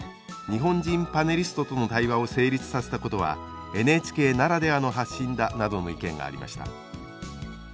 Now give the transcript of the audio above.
「日本人パネリストとの対話を成立させたことはＮＨＫならではの発信だ」などの意見がありました。